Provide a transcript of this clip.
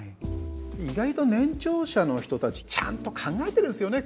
意外と年長者の人たちちゃんと考えてるんですよね。